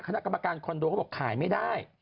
คณะกรรมการคอนโดเขาบอกขายไม่ได้